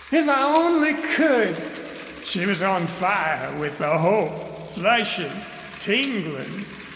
If I ONLY COULD!" She was on fire with the hope, flushing, tingling.